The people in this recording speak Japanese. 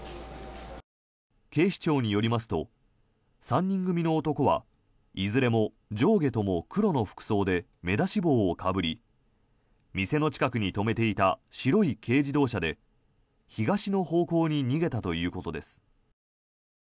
警視庁によりますと３人組の男はいずれも上下とも黒の服装で目出し帽をかぶり店の近くに止めていた白い軽自動車で東の方向に逃げたということです。